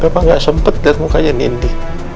papa gak sempet liat mukanya nindi